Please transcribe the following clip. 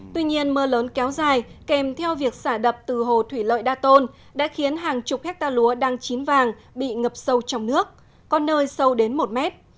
tuy nhiên mưa lớn kéo dài kèm theo việc xả đập từ hồ thủy lợi đa tôn đã khiến hàng chục hectare lúa đang chín vàng bị ngập sâu trong nước có nơi sâu đến một mét